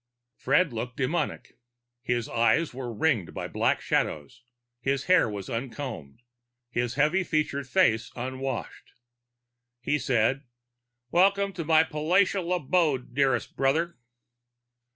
Fred looked demonic. His eyes were ringed by black shadows; his hair was uncombed, his heavy featured face unwashed. He said, "Welcome to my palatial abode, dearest brother."